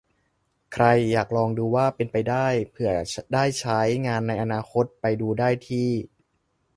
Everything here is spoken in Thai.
ใครอยากลองดูว่าเป็นไป เผื่อได้ใช้งานในอนาคต ไปดูได้ที่